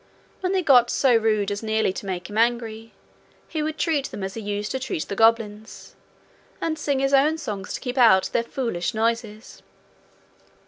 When they got so rude as nearly to make him angry, he would treat them as he used to treat the goblins, and sing his own songs to keep out their foolish noises.